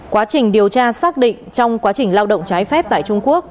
quá trình điều tra xác định trong quá trình lao động trái phép tại trung quốc